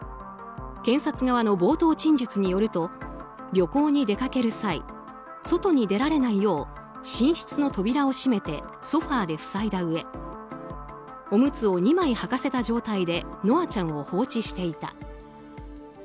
検察側の冒頭陳述によると旅行に出かける際外に出られないよう寝室の扉をソファで塞いだうえおむつを２枚履かせた状態で稀華ちゃんを放置していた。